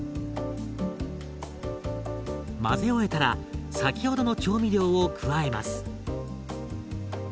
混ぜ終えたら先ほどの調味料を加えます。